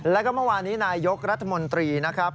แล้วก็เมื่อวานนี้นายยกรัฐมนตรีนะครับ